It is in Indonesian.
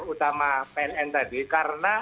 utama pln tadi karena